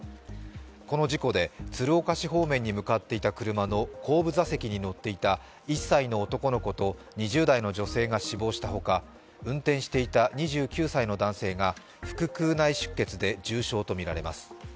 この事故で鶴岡市方面に向かっていた車の後部座席に乗っていた１歳の男の子と２０代の女性が死亡したほか、運転していた２９歳の男性が腹腔内出血で重傷とみられます。